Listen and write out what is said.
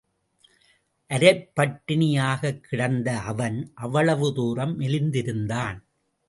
அரைப் பட்டினி யாகக்கிடந்த அவன் அவ்வளவு தூரம் மெலிந்திருந்தான்.